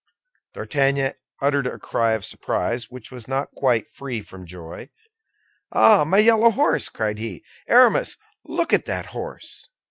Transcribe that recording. D'Artagnan uttered a cry of surprise, which was not quite free from joy. "Ah, my yellow horse," cried he. "Aramis, look at that horse!"